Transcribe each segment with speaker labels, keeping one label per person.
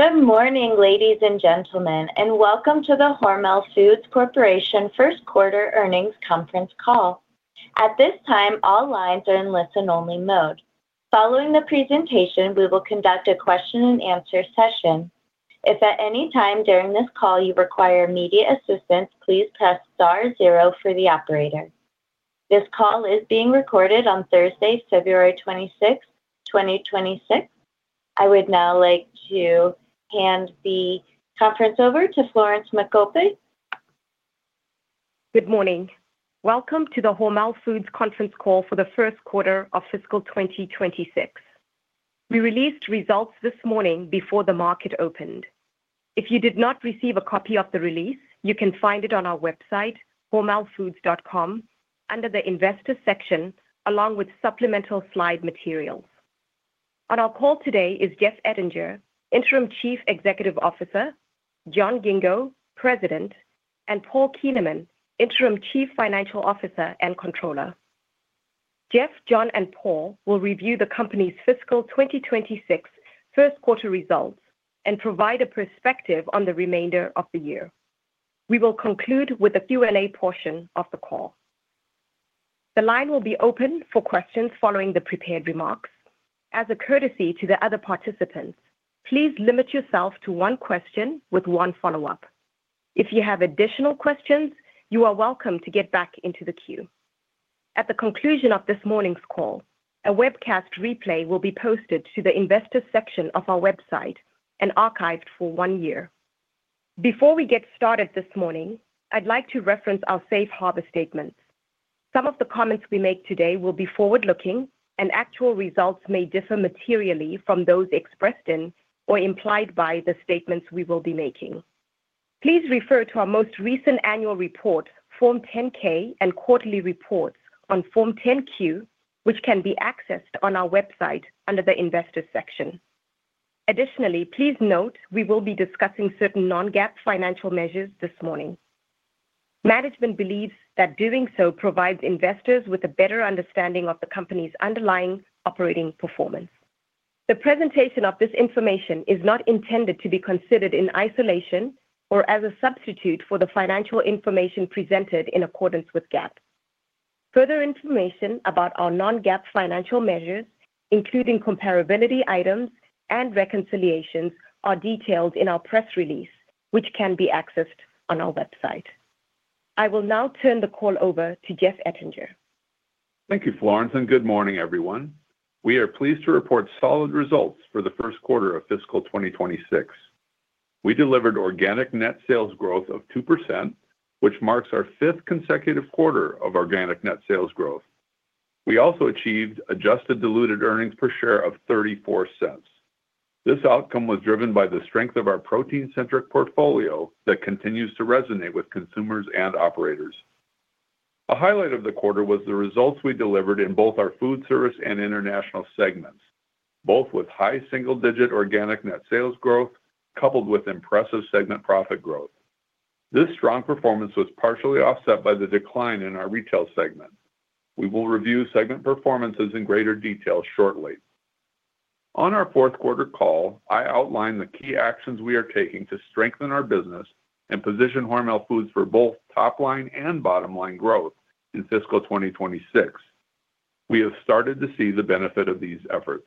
Speaker 1: Good morning, ladies and gentlemen, welcome to the Hormel Foods Corporation first quarter earnings conference call. At this time, all lines are in listen-only mode. Following the presentation, we will conduct a question and answer session. If at any time during this call you require immediate assistance, please press star zero for the operator. This call is being recorded on Thursday, February 26, 2026. I would now like to hand the conference over to Florence Makope.
Speaker 2: Good morning. Welcome to the Hormel Foods conference call for the first quarter of fiscal 2026. We released results this morning before the market opened. If you did not receive a copy of the release, you can find it on our website, hormelfoods.com, under the Investors section, along with supplemental slide materials. On our call today is Jeff Ettinger, Interim Chief Executive Officer, John Ghingo, President, and Paul Kuehneman, Interim Chief Financial Officer and Controller. Jeff, John, and Paul will review the company's fiscal 2026 first quarter results and provide a perspective on the remainder of the year. We will conclude with a Q&A portion of the call. The line will be open for questions following the prepared remarks. As a courtesy to the other participants, please limit yourself to one question with one follow-up. If you have additional questions, you are welcome to get back into the queue. At the conclusion of this morning's call, a webcast replay will be posted to the Investors section of our website and archived for 1 year. Before we get started this morning, I'd like to reference our safe harbor statement. Some of the comments we make today will be forward-looking, and actual results may differ materially from those expressed in or implied by the statements we will be making. Please refer to our most recent annual report, Form 10-K, and quarterly reports on Form 10-Q, which can be accessed on our website under the Investors section. Additionally, please note, we will be discussing certain non-GAAP financial measures this morning. Management believes that doing so provides investors with a better understanding of the company's underlying operating performance. The presentation of this information is not intended to be considered in isolation or as a substitute for the financial information presented in accordance with GAAP. Further information about our non-GAAP financial measures, including comparability items and reconciliations, are detailed in our press release, which can be accessed on our website. I will now turn the call over to Jeff Ettinger.
Speaker 3: Thank you, Florence, and good morning, everyone. We are pleased to report solid results for the first quarter of fiscal 2026. We delivered organic net sales growth of 2%, which marks our fifth consecutive quarter of organic net sales growth. We also achieved adjusted diluted earnings per share of $0.34. This outcome was driven by the strength of our protein-centric portfolio that continues to resonate with consumers and operators. A highlight of the quarter was the results we delivered in both our foodservice and international segments, both with high single-digit organic net sales growth, coupled with impressive segment profit growth. This strong performance was partially offset by the decline in our retail segment. We will review segment performances in greater detail shortly. On our fourth quarter call, I outlined the key actions we are taking to strengthen our business and position Hormel Foods for both top-line and bottom-line growth in fiscal 2026. We have started to see the benefit of these efforts.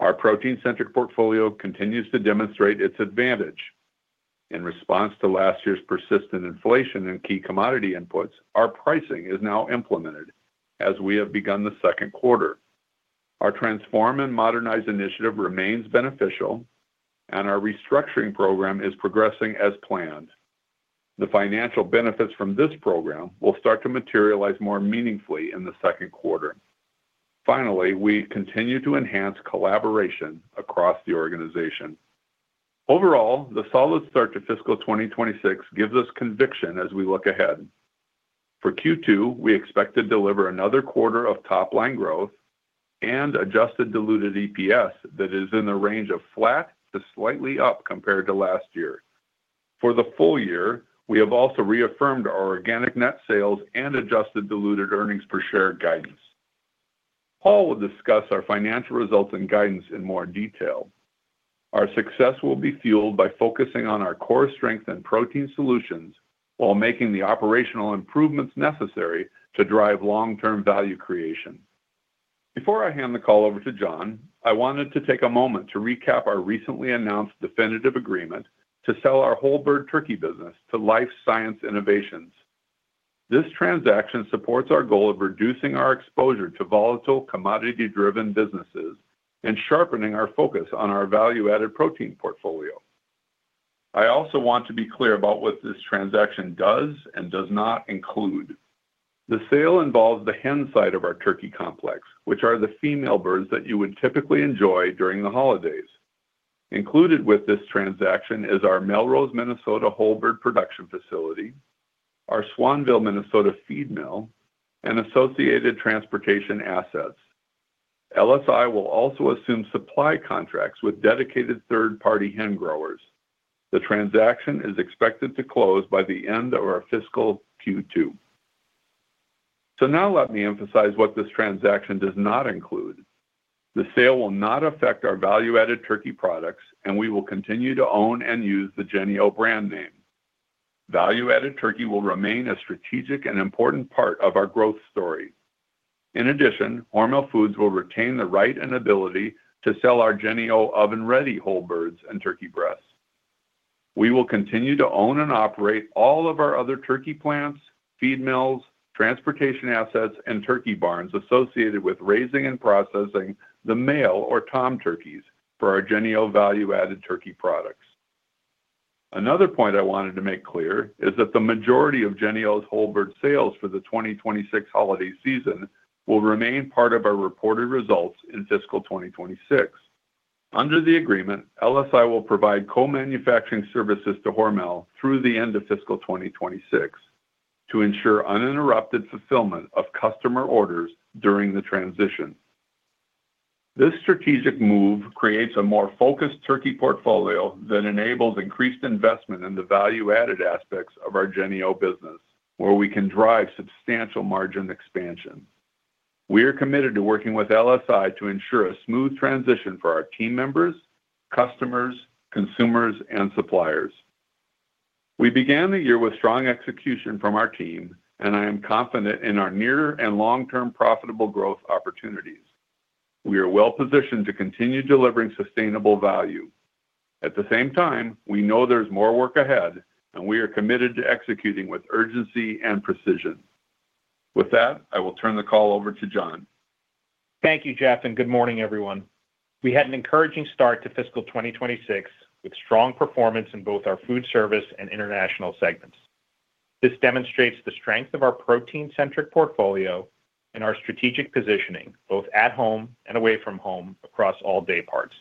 Speaker 3: Our protein-centric portfolio continues to demonstrate its advantage. In response to last year's persistent inflation in key commodity inputs, our pricing is now implemented as we have begun the second quarter. Our Transform and Modernize initiative remains beneficial, and our restructuring program is progressing as planned. The financial benefits from this program will start to materialize more meaningfully in the second quarter. We continue to enhance collaboration across the organization. The solid start to fiscal 2026 gives us conviction as we look ahead. For Q2, we expect to deliver another quarter of top-line growth and adjusted diluted EPS that is in the range of flat to slightly up compared to last year. For the full year, we have also reaffirmed our organic net sales and adjusted diluted earnings per share guidance. Paul will discuss our financial results and guidance in more detail. Our success will be fueled by focusing on our core strength and protein solutions while making the operational improvements necessary to drive long-term value creation. Before I hand the call over to John, I wanted to take a moment to recap our recently announced definitive agreement to sell our whole bird turkey business to Life-Science Innovations. This transaction supports our goal of reducing our exposure to volatile, commodity-driven businesses and sharpening our focus on our value-added protein portfolio. I also want to be clear about what this transaction does and does not include. The sale involves the hen side of our turkey complex, which are the female birds that you would typically enjoy during the holidays. Included with this transaction is our Melrose, Minnesota, whole bird production facility, our Swanville, Minnesota, feed mill, and associated transportation assets. LSI will also assume supply contracts with dedicated third-party hen growers. The transaction is expected to close by the end of our fiscal Q2. Now let me emphasize what this transaction does not include. The sale will not affect our value-added turkey products, and we will continue to own and use the Jennie-O brand name. Value-added turkey will remain a strategic and important part of our growth story. In addition, Hormel Foods will retain the right and ability to sell our Jennie-O Oven Ready whole birds and turkey breasts. We will continue to own and operate all of our other turkey plants, feed mills, transportation assets, and turkey barns associated with raising and processing the male or tom turkeys for our Jennie-O value-added turkey products. Another point I wanted to make clear is that the majority of Jennie-O's whole bird sales for the 2026 holiday season will remain part of our reported results in fiscal 2026. Under the agreement, LSI will provide co-manufacturing services to Hormel through the end of fiscal 2026 to ensure uninterrupted fulfillment of customer orders during the transition. This strategic move creates a more focused turkey portfolio that enables increased investment in the value-added aspects of our Jennie-O business, where we can drive substantial margin expansion. We are committed to working with LSI to ensure a smooth transition for our team members, customers, consumers, and suppliers. We began the year with strong execution from our team, and I am confident in our near and long-term profitable growth opportunities. We are well positioned to continue delivering sustainable value. At the same time, we know there's more work ahead, and we are committed to executing with urgency and precision. With that, I will turn the call over to John.
Speaker 4: Thank you, Jeff. Good morning, everyone. We had an encouraging start to fiscal 2026, with strong performance in both our foodservice and International segments. This demonstrates the strength of our protein-centric portfolio and our strategic positioning, both at home and away from home, across all day parts.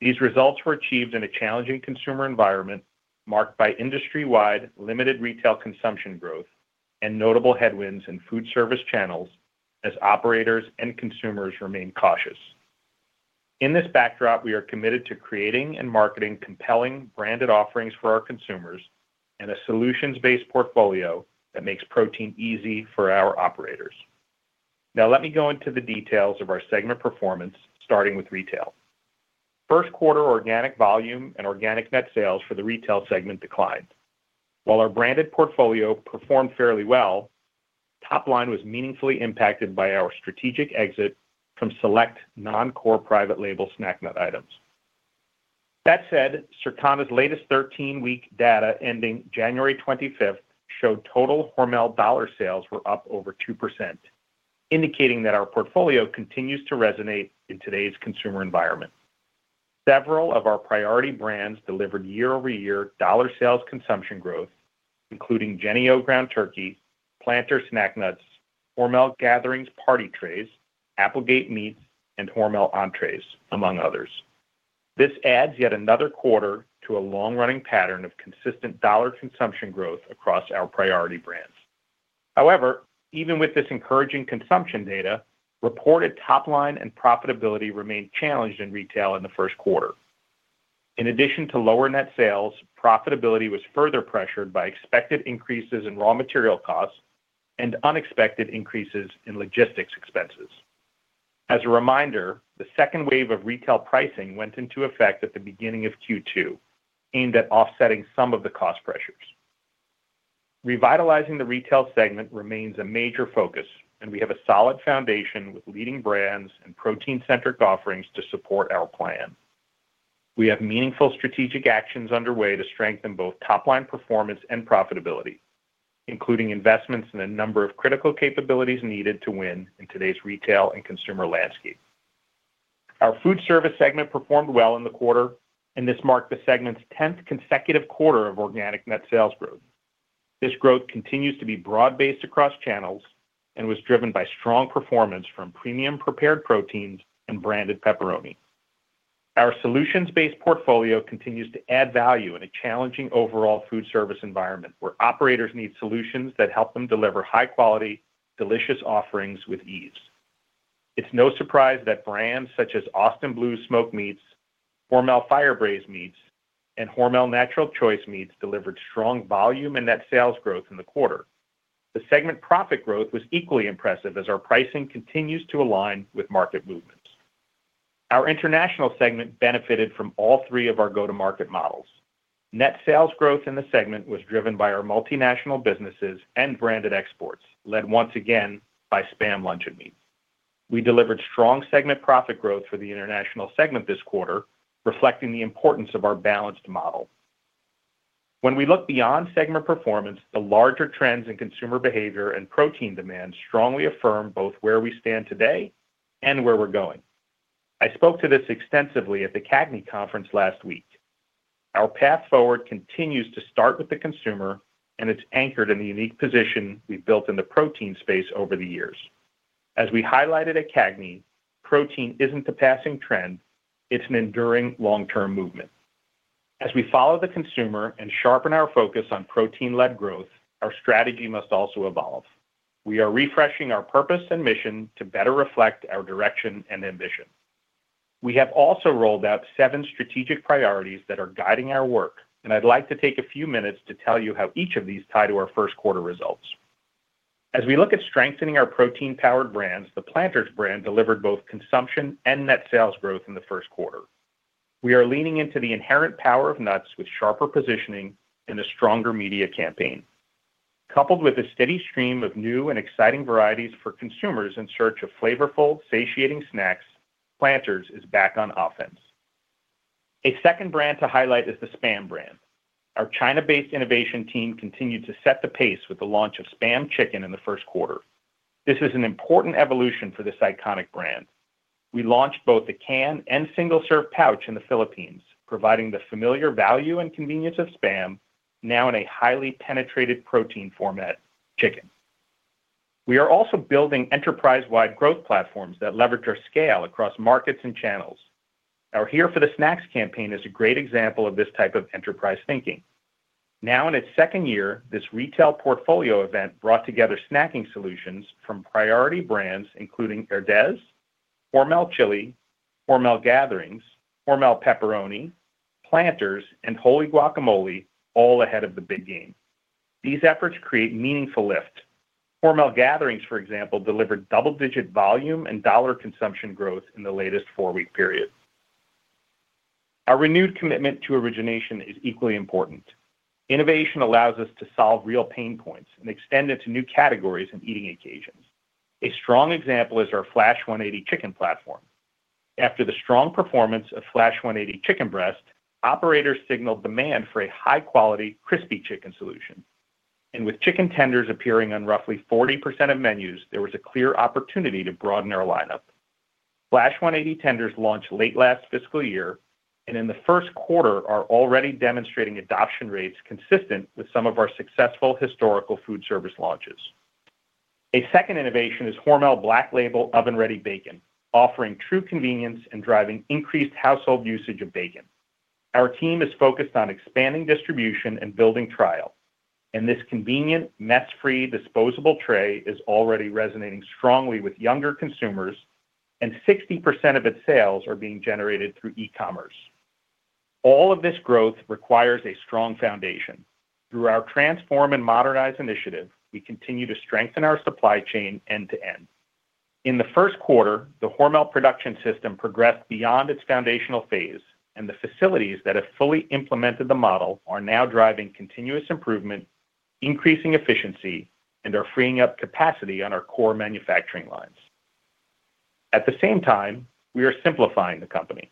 Speaker 4: These results were achieved in a challenging consumer environment, marked by industry-wide limited Retail consumption growth and notable headwinds in foodservice channels as operators and consumers remain cautious. In this backdrop, we are committed to creating and marketing compelling branded offerings for our consumers and a solutions-based portfolio that makes protein easy for our operators. Let me go into the details of our segment performance, starting with Retail. First quarter organic volume and organic net sales for the Retail segment declined. While our branded portfolio performed fairly well, top line was meaningfully impacted by our strategic exit from select non-core private label snack nut items. That said, Circana's latest 13-week data, ending January 25th, showed total Hormel dollar sales were up over 2%, indicating that our portfolio continues to resonate in today's consumer environment. Several of our priority brands delivered year-over-year dollar sales consumption growth, including Jennie-O Ground Turkey, Planters snack nuts, Hormel Gatherings party trays, Applegate Meats, and Hormel Entrees, among others. This adds yet another quarter to a long-running pattern of consistent dollar consumption growth across our priority brands. However, even with this encouraging consumption data, reported top line and profitability remained challenged in retail in the first quarter. In addition to lower net sales, profitability was further pressured by expected increases in raw material costs and unexpected increases in logistics expenses. As a reminder, the second wave of retail pricing went into effect at the beginning of Q2, aimed at offsetting some of the cost pressures. Revitalizing the retail segment remains a major focus. We have a solid foundation with leading brands and protein-centric offerings to support our plan. Our food service segment performed well in the quarter. This marked the segment's 10th consecutive quarter of organic net sales growth. This growth continues to be broad-based across channels and was driven by strong performance from premium prepared proteins and branded pepperoni. Our solutions-based portfolio continues to add value in a challenging overall food service environment, where operators need solutions that help them deliver high-quality, delicious offerings with ease. It's no surprise that brands such as Austin Blues Smoked Meats, Hormel Fire Braised Meats, and Hormel Natural Choice Meats delivered strong volume and net sales growth in the quarter. The segment profit growth was equally impressive as our pricing continues to align with market movements. Our international segment benefited from all three of our go-to-market models. Net sales growth in the segment was driven by our multinational businesses and branded exports, led once again by SPAM luncheon meats. We delivered strong segment profit growth for the international segment this quarter, reflecting the importance of our balanced model. When we look beyond segment performance, the larger trends in consumer behavior and protein demand strongly affirm both where we stand today and where we're going. I spoke to this extensively at the Cagny Conference last week. Our path forward continues to start with the consumer, and it's anchored in the unique position we've built in the protein space over the years. As we highlighted at Cagny, protein isn't a passing trend, it's an enduring long-term movement. As we follow the consumer and sharpen our focus on protein-led growth, our strategy must also evolve. We are refreshing our purpose and mission to better reflect our direction and ambition.... We have also rolled out seven strategic priorities that are guiding our work, and I'd like to take a few minutes to tell you how each of these tie to our first quarter results. As we look at strengthening our protein-powered brands, the Planters brand delivered both consumption and net sales growth in the first quarter. We are leaning into the inherent power of nuts with sharper positioning and a stronger media campaign. Coupled with a steady stream of new and exciting varieties for consumers in search of flavorful, satiating snacks, Planters is back on offense. A second brand to highlight is the SPAM brand. Our China-based innovation team continued to set the pace with the launch of SPAM Chicken in the first quarter. This is an important evolution for this iconic brand. We launched both a can and single-serve pouch in the Philippines, providing the familiar value and convenience of SPAM now in a highly penetrated protein format, chicken. We are also building enterprise-wide growth platforms that leverage our scale across markets and channels. Our Here For The Snacks campaign is a great example of this type of enterprise thinking. Now in its second year, this retail portfolio event brought together snacking solutions from priority brands including Herdez, Hormel Chili, Hormel Gatherings, Hormel Pepperoni, Planters, and Wholly Guacamole, all ahead of the big game. These efforts create meaningful lift. Hormel Gatherings, for example, delivered double-digit volume and dollar consumption growth in the latest four-week period. Our renewed commitment to origination is equally important. Innovation allows us to solve real pain points and extend into new categories and eating occasions. A strong example is our Flash 180 Chicken platform. After the strong performance of Flash 180 Chicken Breast, operators signaled demand for a high-quality, crispy chicken solution. With chicken tenders appearing on roughly 40% of menus, there was a clear opportunity to broaden our lineup. Flash 180 Tenders launched late last fiscal year, and in the first quarter are already demonstrating adoption rates consistent with some of our successful historical food service launches. A second innovation is Hormel Black Label Oven Ready Bacon, offering true convenience and driving increased household usage of bacon. Our team is focused on expanding distribution and building trial, and this convenient, mess-free, disposable tray is already resonating strongly with younger consumers, and 60% of its sales are being generated through e-commerce. All of this growth requires a strong foundation. Through our Transform and Modernize initiative, we continue to strengthen our supply chain end to end. In the first quarter, the Hormel Production System progressed beyond its foundational phase, and the facilities that have fully implemented the model are now driving continuous improvement, increasing efficiency, and are freeing up capacity on our core manufacturing lines. At the same time, we are simplifying the company.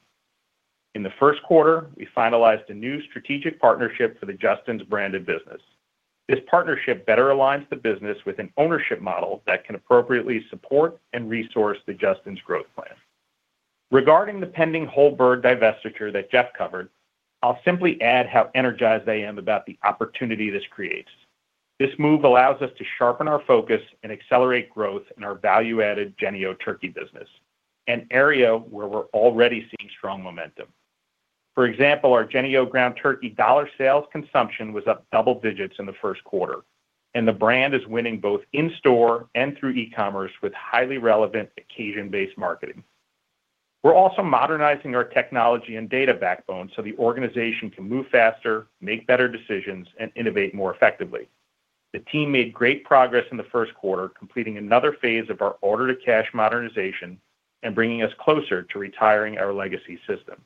Speaker 4: In the first quarter, we finalized a new strategic partnership for the Justin's branded business. This partnership better aligns the business with an ownership model that can appropriately support and resource the Justin's growth plan. Regarding the pending Whole Bird divestiture that Jeff covered, I'll simply add how energized I am about the opportunity this creates. This move allows us to sharpen our focus and accelerate growth in our value-added Jennie-O Turkey business, an area where we're already seeing strong momentum. For example, our Jennie-O Ground Turkey dollar sales consumption was up double digits in the first quarter, and the brand is winning both in-store and through e-commerce with highly relevant occasion-based marketing. We're also modernizing our technology and data backbone so the organization can move faster, make better decisions, and innovate more effectively. The team made great progress in the first quarter, completing another phase of our order to cash modernization and bringing us closer to retiring our legacy system.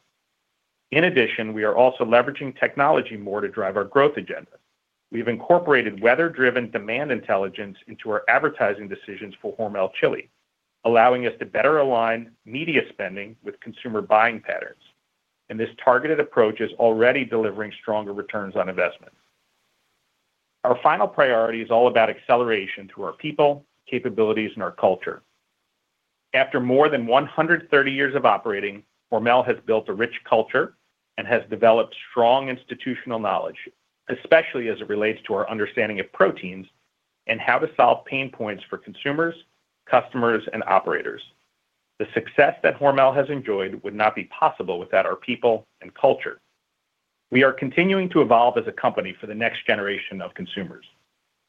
Speaker 4: In addition, we are also leveraging technology more to drive our growth agenda. We have incorporated weather-driven demand intelligence into our advertising decisions for Hormel Chili, allowing us to better align media spending with consumer buying patterns. This targeted approach is already delivering stronger returns on investment. Our final priority is all about acceleration to our people, capabilities, and our culture. After more than 130 years of operating, Hormel has built a rich culture and has developed strong institutional knowledge, especially as it relates to our understanding of proteins and how to solve pain points for consumers, customers, and operators. The success that Hormel has enjoyed would not be possible without our people and culture. We are continuing to evolve as a company for the next generation of consumers,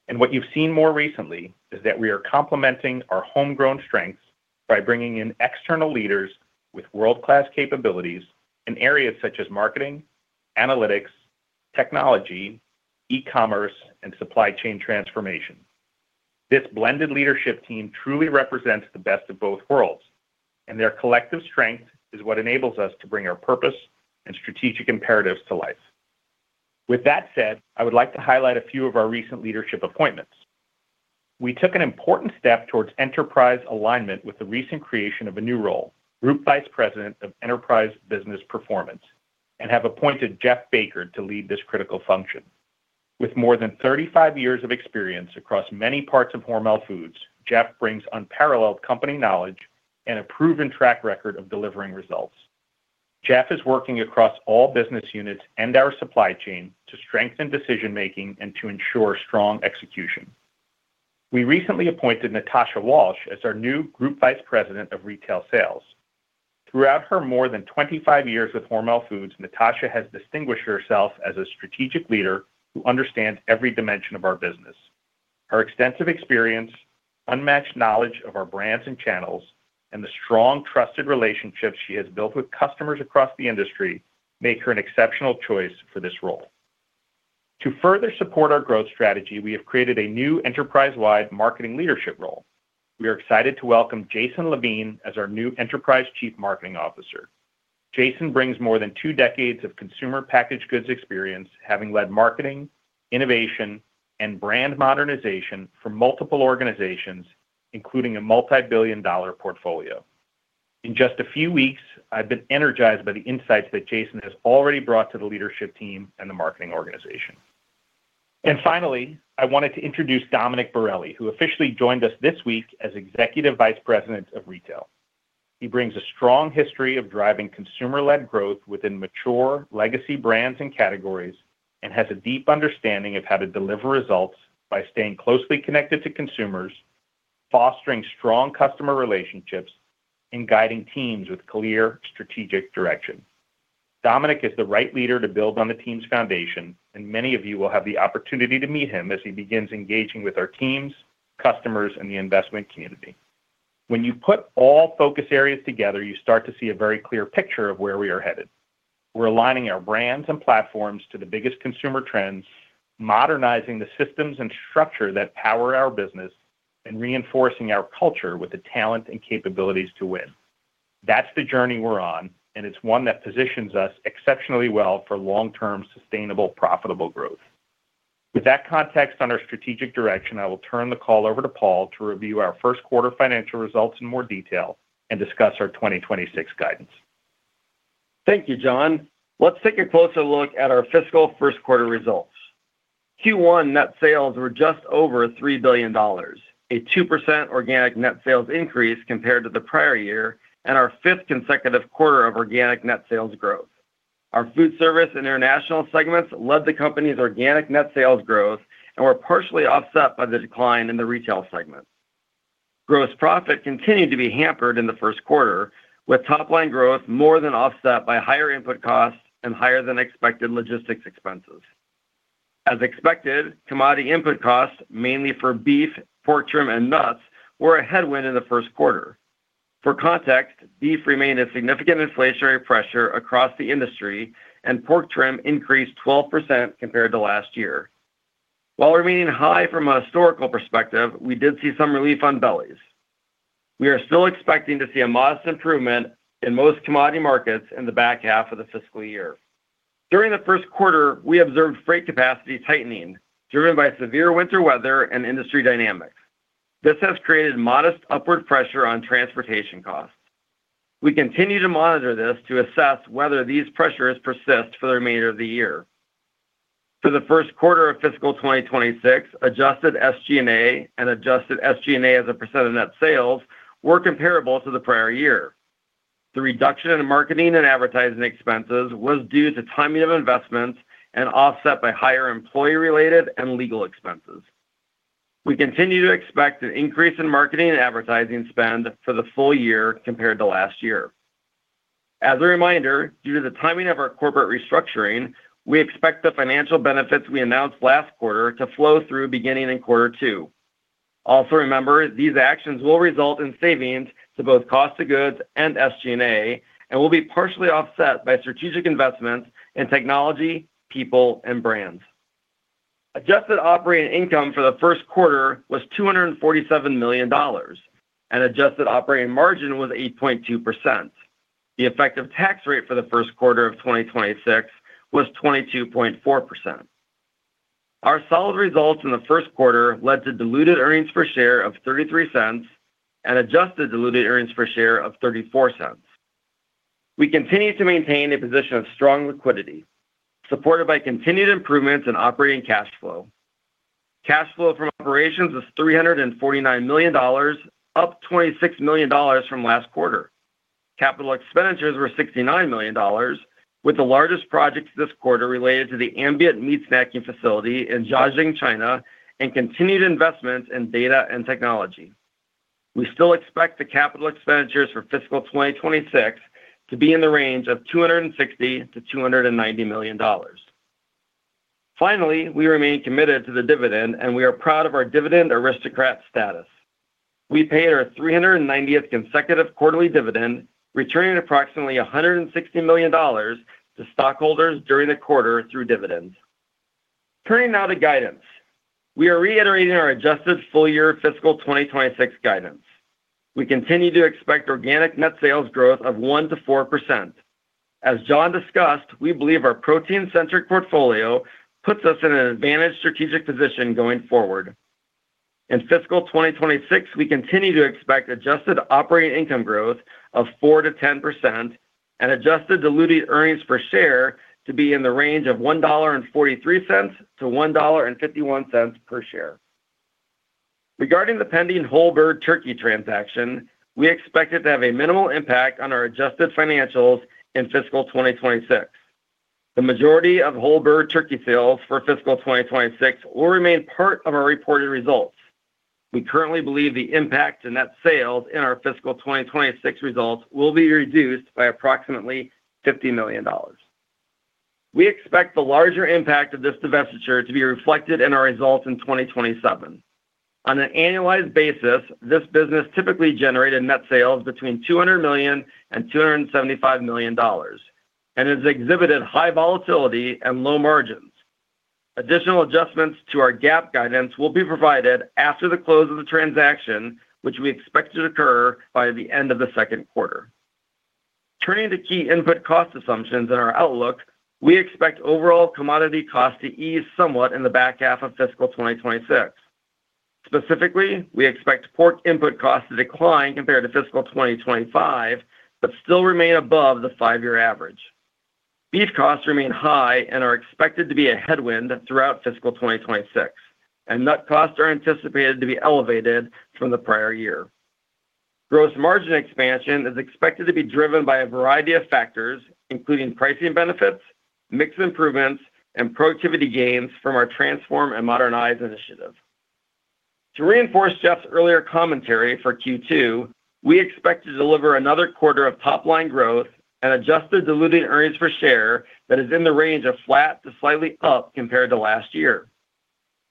Speaker 4: and what you've seen more recently is that we are complementing our homegrown strengths by bringing in external leaders with world-class capabilities in areas such as marketing, analytics, technology, e-commerce, and supply chain transformation. This blended leadership team truly represents the best of both worlds, and their collective strength is what enables us to bring our purpose and strategic imperatives to life. With that said, I would like to highlight a few of our recent leadership appointments. We took an important step towards enterprise alignment with the recent creation of a new role, Group Vice President of Enterprise Business Performance, and have appointed Jeff Baker to lead this critical function. With more than 35 years of experience across many parts of Hormel Foods, Jeff brings unparalleled company knowledge and a proven track record of delivering results. Jeff is working across all business units and our supply chain to strengthen decision-making and to ensure strong execution. We recently appointed Natosha Walsh as our new Group Vice President of Retail Sales. Throughout her more than 25 years with Hormel Foods, Natosha has distinguished herself as a strategic leader who understands every dimension of our business. Her extensive experience, unmatched knowledge of our brands and channels, and the strong, trusted relationships she has built with customers across the industry make her an exceptional choice for this role. To further support our growth strategy, we have created a new enterprise-wide marketing leadership role. We are excited to welcome Jason Levine as our new Enterprise Chief Marketing Officer. Jason brings more than two decades of consumer packaged goods experience, having led marketing, innovation, and brand modernization for multiple organizations, including a multi-billion dollar portfolio. In just a few weeks, I've been energized by the insights that Jason has already brought to the leadership team and the marketing organization. Finally, I wanted to introduce Domenic Borrelli, who officially joined us this week as Executive Vice President of Retail. He brings a strong history of driving consumer-led growth within mature legacy brands and categories and has a deep understanding of how to deliver results by staying closely connected to consumers, fostering strong customer relationships, and guiding teams with clear strategic direction. Domenic is the right leader to build on the team's foundation, and many of you will have the opportunity to meet him as he begins engaging with our teams, customers, and the investment community. When you put all focus areas together, you start to see a very clear picture of where we are headed. We're aligning our brands and platforms to the biggest consumer trends, modernizing the systems and structure that power our business, and reinforcing our culture with the talent and capabilities to win. That's the journey we're on, and it's one that positions us exceptionally well for long-term, sustainable, profitable growth. With that context on our strategic direction, I will turn the call over to Paul to review our first quarter financial results in more detail and discuss our 2026 guidance.
Speaker 5: Thank you, John. Let's take a closer look at our fiscal first quarter results. Q1 net sales were just over $3 billion, a 2% organic net sales increase compared to the prior year and our fifth consecutive quarter of organic net sales growth. Our Foodservice and International segments led the company's organic net sales growth and were partially offset by the decline in the Retail segment. Gross profit continued to be hampered in the first quarter, with top-line growth more than offset by higher input costs and higher than expected logistics expenses. As expected, commodity input costs, mainly for beef, pork trim, and nuts, were a headwind in the first quarter. For context, beef remained a significant inflationary pressure across the industry, and pork trim increased 12% compared to last year. While remaining high from a historical perspective, we did see some relief on bellies. We are still expecting to see a modest improvement in most commodity markets in the back half of the fiscal year. During the first quarter, we observed freight capacity tightening, driven by severe winter weather and industry dynamics. This has created modest upward pressure on transportation costs. We continue to monitor this to assess whether these pressures persist for the remainder of the year. For the first quarter of fiscal 2026, adjusted SG&A and adjusted SG&A as a percent of net sales were comparable to the prior year. The reduction in marketing and advertising expenses was due to timing of investments and offset by higher employee-related and legal expenses. We continue to expect an increase in marketing and advertising spend for the full year compared to last year. As a reminder, due to the timing of our corporate restructuring, we expect the financial benefits we announced last quarter to flow through beginning in quarter two. Remember, these actions will result in savings to both cost of goods and SG&A and will be partially offset by strategic investments in technology, people, and brands. Adjusted operating income for the first quarter was $247 million, and adjusted operating margin was 8.2%. The effective tax rate for the first quarter of 2026 was 22.4%. Our solid results in the first quarter led to diluted earnings per share of $0.33 and adjusted diluted earnings per share of $0.34. We continue to maintain a position of strong liquidity, supported by continued improvements in operating cash flow. Cash flow from operations was $349 million, up $26 million from last quarter. Capital expenditures were $69 million, with the largest projects this quarter related to the ambient meat snacking facility in Jiaxing, China, and continued investments in data and technology. We still expect the capital expenditures for fiscal 2026 to be in the range of $260 million-$290 million. Finally, we remain committed to the dividend, and we are proud of our Dividend Aristocrat status. We paid our 390th consecutive quarterly dividend, returning approximately $160 million to stockholders during the quarter through dividends. Turning now to guidance. We are reiterating our adjusted full-year fiscal 2026 guidance. We continue to expect organic net sales growth of 1%-4%. As John discussed, we believe our protein-centric portfolio puts us in an advantaged strategic position going forward. In fiscal 2026, we continue to expect adjusted operating income growth of 4%-10% and adjusted diluted earnings per share to be in the range of $1.43-$1.51 per share. Regarding the pending whole bird turkey transaction, we expect it to have a minimal impact on our adjusted financials in fiscal 2026. The majority of whole bird turkey sales for fiscal 2026 will remain part of our reported results. We currently believe the impact in net sales in our fiscal 2026 results will be reduced by approximately $50 million. We expect the larger impact of this divestiture to be reflected in our results in 2027. On an annualized basis, this business typically generated net sales between $200 million and $275 million and has exhibited high volatility and low margins. Additional adjustments to our GAAP guidance will be provided after the close of the transaction, which we expect to occur by the end of the second quarter. Turning to key input cost assumptions in our outlook, we expect overall commodity costs to ease somewhat in the back half of fiscal 2026. Specifically, we expect pork input costs to decline compared to fiscal 2025, but still remain above the five-year average. Beef costs remain high and are expected to be a headwind throughout fiscal 2026, and nut costs are anticipated to be elevated from the prior year. Gross margin expansion is expected to be driven by a variety of factors, including pricing benefits, mix improvements, and productivity gains from our Transform and Modernize initiative. To reinforce Jeff's earlier commentary for Q2, we expect to deliver another quarter of top-line growth and adjusted dilutive earnings per share that is in the range of flat to slightly up compared to last year.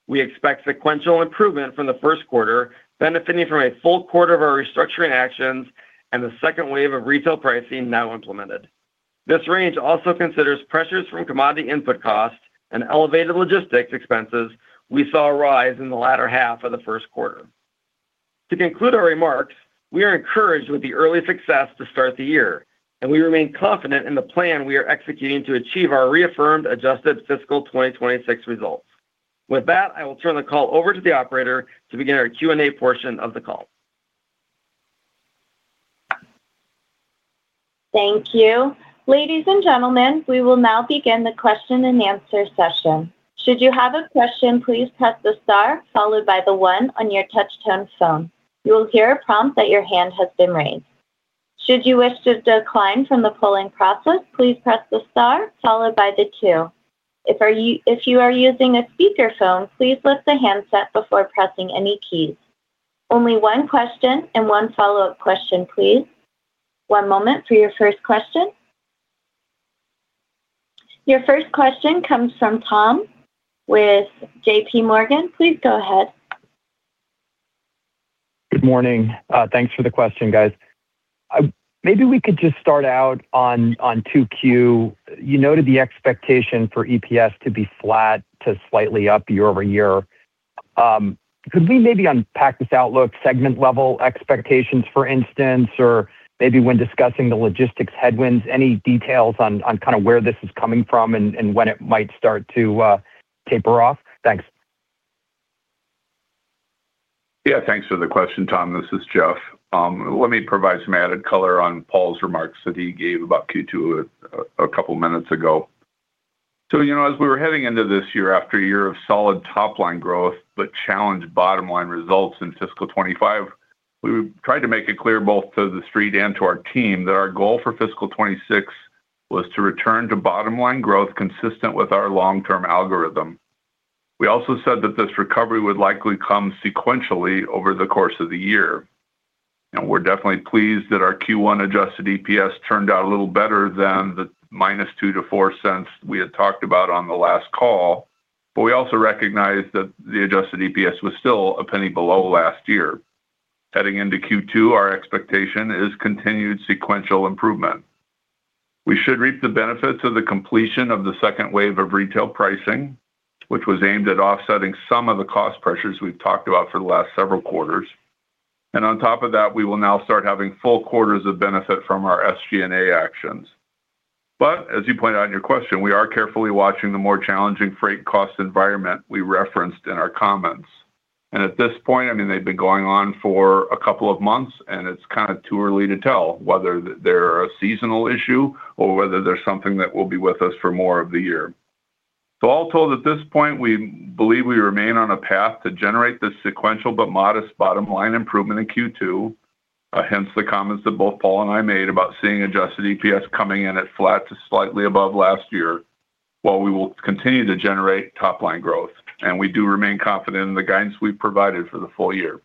Speaker 5: We expect sequential improvement from the first quarter, benefiting from a full quarter of our restructuring actions and the second wave of retail pricing now implemented. This range also considers pressures from commodity input costs and elevated logistics expenses we saw rise in the latter half of the first quarter. To conclude our remarks, we are encouraged with the early success to start the year, and we remain confident in the plan we are executing to achieve our reaffirmed adjusted fiscal 2026 results. With that, I will turn the call over to the operator to begin our Q&A portion of the call.
Speaker 1: Thank you. Ladies and gentlemen, we will now begin the question-and-answer session. Should you have a question, please press the star followed by the one on your touch-tone phone. You will hear a prompt that your hand has been raised. Should you wish to decline from the polling process, please press the star followed by the two. If you are using a speakerphone, please lift the handset before pressing any keys. Only one question and one follow-up question, please. One moment for your first question. Your first question comes from Tom with J.P. Morgan. Please go ahead.
Speaker 6: Good morning. Thanks for the question, guys. Maybe we could just start out on 2Q. You noted the expectation for EPS to be flat to slightly up year-over-year. Could we maybe unpack this outlook segment-level expectations, for instance, or maybe when discussing the logistics headwinds, any details on kind of where this is coming from and when it might start to, taper off? Thanks.
Speaker 3: Yeah, thanks for the question, Tom. This is Jeff. Let me provide some added color on Paul's remarks that he gave about Q2 2 minutes ago. You know, as we were heading into this year after a year of solid top-line growth but challenged bottom-line results in fiscal 2025, we tried to make it clear both to the street and to our team that our goal for fiscal 2026 was to return to bottom-line growth consistent with our long-term algorithm. We also said that this recovery would likely come sequentially over the course of the year, we're definitely pleased that our Q1 Adjusted EPS turned out a little better than the -$0.02 to -$0.04 we had talked about on the last call. We also recognize that the Adjusted EPS was still $0.01 below last year. Heading into Q2, our expectation is continued sequential improvement. We should reap the benefits of the completion of the 2nd wave of retail pricing, which was aimed at offsetting some of the cost pressures we've talked about for the last several quarters. On top of that, we will now start having full quarters of benefit from our SG&A actions. As you pointed out in your question, we are carefully watching the more challenging freight cost environment we referenced in our comments. At this point, I mean, they've been going on for a couple of months, and it's kind of too early to tell whether they're a seasonal issue or whether they're something that will be with us for more of the year. All told, at this point, we believe we remain on a path to generate this sequential but modest bottom-line improvement in Q2. Hence, the comments that both Paul and I made about seeing Adjusted EPS coming in at flat to slightly above last year, while we will continue to generate top-line growth, and we do remain confident in the guidance we've provided for the full year.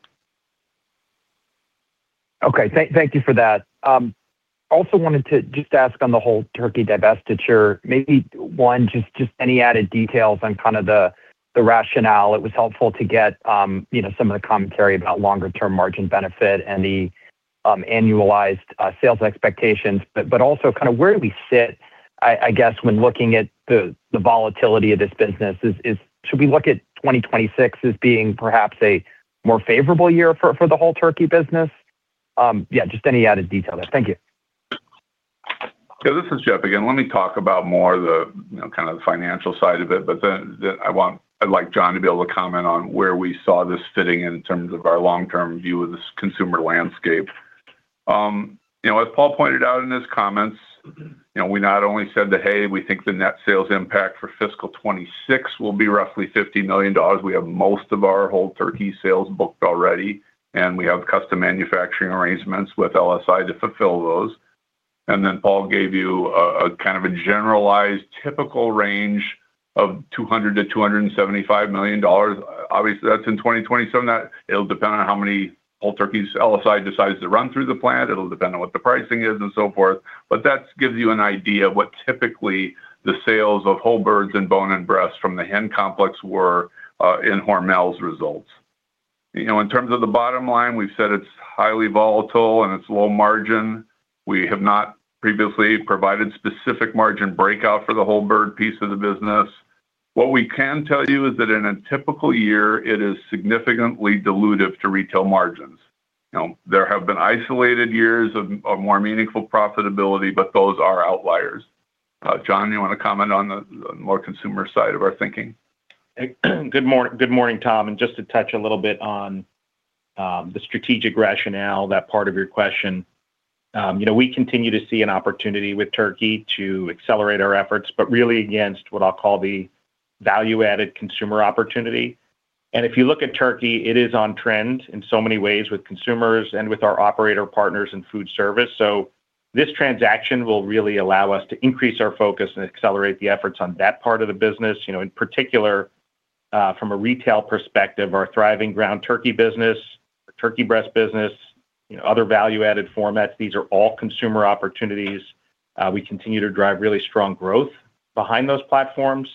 Speaker 6: Okay, thank you for that. Also wanted to just ask on the whole turkey divestiture, maybe one, just any added details on kind of the rationale. It was helpful to get, you know, some of the commentary about longer-term margin benefit and the annualized sales expectations. Also kind of where do we sit, I guess, when looking at the volatility of this business? Should we look at 2026 as being perhaps a more favorable year for the whole turkey business? Yeah, just any added detail there. Thank you.
Speaker 3: Yeah, this is Jeff again. Let me talk about more the, you know, kind of the financial side of it, but then I'd like John to be able to comment on where we saw this fitting in terms of our long-term view of this consumer landscape. You know, as Paul pointed out in his comments, you know, we not only said that, "Hey, we think the net sales impact for fiscal 2026 will be roughly $50 million." We have most of our whole turkey sales booked already, and we have custom manufacturing arrangements with LSI to fulfill those. Paul gave you a kind of a generalized typical range of $200 million-$275 million. Obviously, that's in 2027, that it'll depend on how many whole turkeys LSI decides to run through the plant. It'll depend on what the pricing is and so forth, but that gives you an idea of what typically the sales of whole birds and bone and breasts from the hen complex were in Hormel's results. You know, in terms of the bottom line, we've said it's highly volatile, and it's low margin. We have not previously provided specific margin breakout for the whole bird piece of the business. What we can tell you is that in a typical year, it is significantly dilutive to retail margins. You know, there have been isolated years of more meaningful profitability, but those are outliers. John, you want to comment on the more consumer side of our thinking?
Speaker 4: Good morning, good morning, Tom, just to touch a little bit on the strategic rationale, that part of your question. You know, we continue to see an opportunity with turkey to accelerate our efforts, really against what I'll call the value-added consumer opportunity. If you look at turkey, it is on trend in so many ways with consumers and with our operator partners in food service. This transaction will really allow us to increase our focus and accelerate the efforts on that part of the business. You know, in particular, from a retail perspective, our thriving ground turkey business, turkey breast business, other value-added formats, these are all consumer opportunities. We continue to drive really strong growth behind those platforms.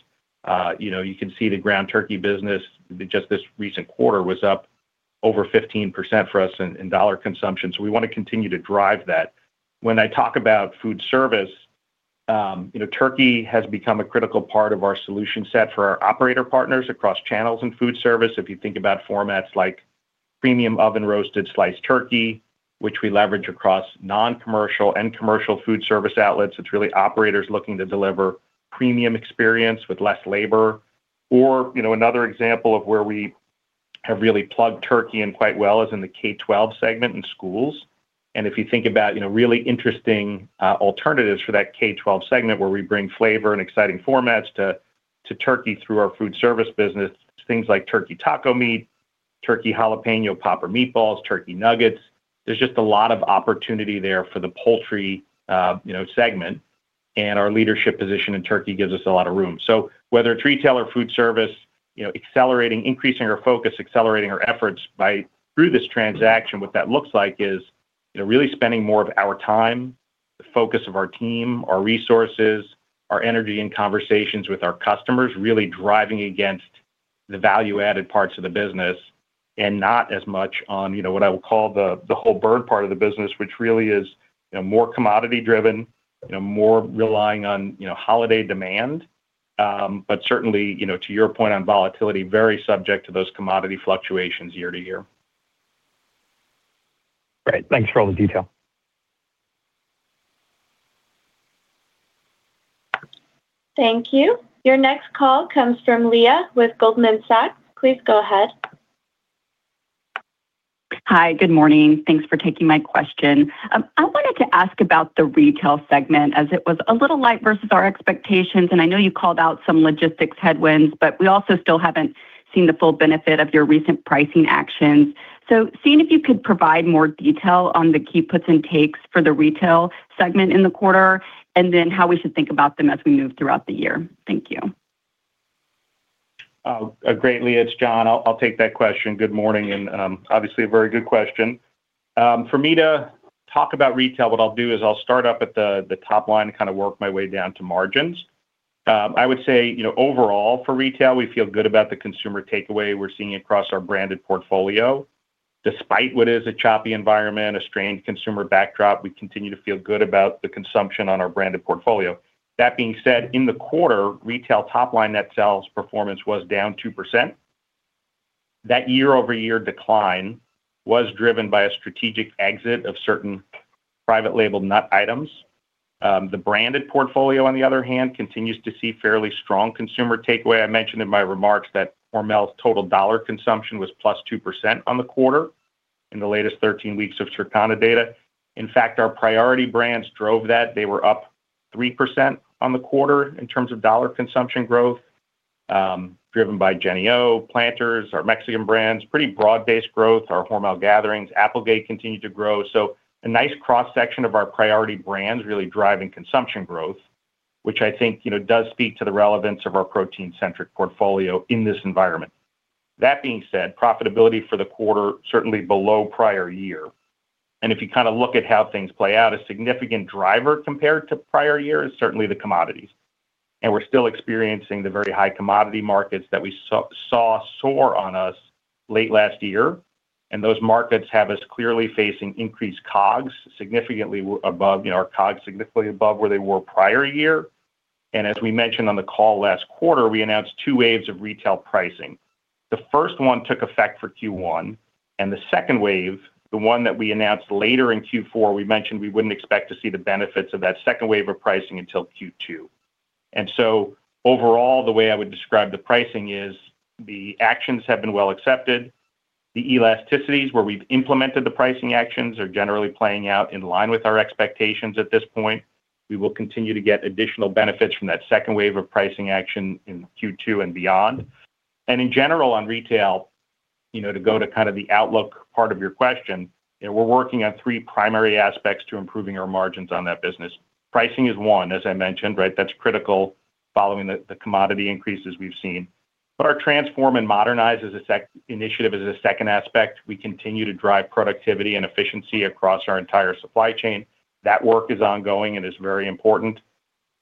Speaker 4: You know, you can see the ground turkey business, just this recent quarter, was up over 15% for us in dollar consumption. We want to continue to drive that. When I talk about food service, you know, turkey has become a critical part of our solution set for our operator partners across channels and food service. If you think about formats like premium oven-roasted sliced turkey, which we leverage across non-commercial and commercial food service outlets, it's really operators looking to deliver premium experience with less labor. You know, another example of where we have really plugged turkey in quite well is in the K-12 segment in schools. If you think about, you know, really interesting alternatives for that K-12 segment, where we bring flavor and exciting formats to turkey through our foodservice business, things like turkey taco meat, turkey jalapeno popper meatballs, turkey nuggets, there's just a lot of opportunity there for the poultry, you know, segment, and our leadership position in turkey gives us a lot of room. Whether it's retail or food service, you know, accelerating, increasing our focus, accelerating our efforts through this transaction, what that looks like is, you know, really spending more of our time, the focus of our team, our resources, our energy and conversations with our customers, really driving against the value-added parts of the business and not as much on, you know, what I would call the whole bird part of the business, which really is, you know, more commodity-driven, you know, more relying on, you know, holiday demand, but certainly, you know, to your point on volatility, very subject to those commodity fluctuations year-to-year.
Speaker 6: Great. Thanks for all the detail.
Speaker 1: Thank you. Your next call comes from Leah with Goldman Sachs. Please go ahead.
Speaker 7: Hi, good morning. Thanks for taking my question. I wanted to ask about the retail segment, as it was a little light versus our expectations, and I know you called out some logistics headwinds, but we also still haven't seen the full benefit of your recent pricing actions. So seeing if you could provide more detail on the key puts and takes for the retail segment in the quarter, and then how we should think about them as we move throughout the year? Thank you.
Speaker 4: Great, Leah, it's John. I'll take that question. Good morning, obviously, a very good question. For me to talk about retail, what I'll do is I'll start up at the top line and kind of work my way down to margins. I would say, you know, overall, for retail, we feel good about the consumer takeaway we're seeing across our branded portfolio. Despite what is a choppy environment, a strained consumer backdrop, we continue to feel good about the consumption on our branded portfolio. That being said, in the quarter, retail top line, net sales performance was down 2%. That year-over-year decline was driven by a strategic exit of certain private label nut items. The branded portfolio, on the other hand, continues to see fairly strong consumer takeaway. I mentioned in my remarks that Hormel's total dollar consumption was +2% on the quarter in the latest 13 weeks of Circana data. In fact, our priority brands drove that. They were up 3% on the quarter in terms of dollar consumption growth, driven by Jennie-O, Planters, our Mexican brands, pretty broad-based growth. Our Hormel GATHERINGS, Applegate, continued to grow. A nice cross-section of our priority brands really driving consumption growth, which I think, you know, does speak to the relevance of our protein-centric portfolio in this environment. That being said, profitability for the quarter, certainly below prior year. If you kinda look at how things play out, a significant driver compared to prior years, certainly the commodities. We're still experiencing the very high commodity markets that we saw soar on us late last year, and those markets have us clearly facing increased COGS, you know, our COGS significantly above where they were prior year. As we mentioned on the call last quarter, we announced two waves of retail pricing. The first one took effect for Q1, and the second wave, the one that we announced later in Q4, we mentioned we wouldn't expect to see the benefits of that second wave of pricing until Q2. Overall, the way I would describe the pricing is the actions have been well accepted. The elasticities, where we've implemented the pricing actions, are generally playing out in line with our expectations at this point. We will continue to get additional benefits from that second wave of pricing action in Q2 and beyond. In general, you know, to go to kind of the outlook part of your question, you know, we're working on three primary aspects to improving our margins on that business. Pricing is one, as I mentioned, right? That's critical following the commodity increases we've seen. Our Transform and Modernize initiative as a second aspect, we continue to drive productivity and efficiency across our entire supply chain. That work is ongoing and is very important.